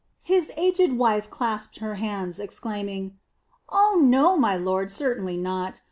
His aged wife clasped her hands, exclaiming: "Oh no, my lord, certainly not.